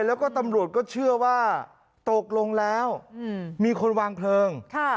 แล้วก็ตำรวจก็เชื่อว่าตกลงแล้วมีคนวางเพลิง